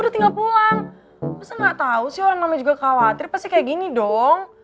tau sih orang namanya juga khawatir pasti kayak gini dong